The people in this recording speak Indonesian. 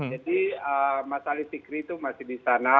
jadi mas ali fikri itu masih di sana